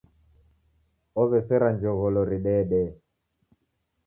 Ow'eseria jogholo ridede.